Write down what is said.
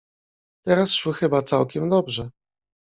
— Teraz szły chyba całkiem dobrze?